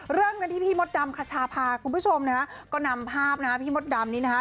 เริ่มกันที่พี่มดดำคชาพาคุณผู้ชมนะฮะก็นำภาพนะฮะพี่มดดำนี้นะคะ